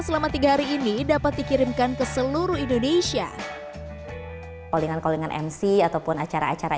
selama tiga hari ini dapat dikirimkan ke seluruh indonesia olingan kolingan mc ataupun acara acara